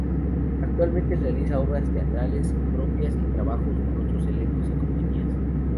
Actualmente realiza obras teatrales propias y trabajos con otros elencos y compañías.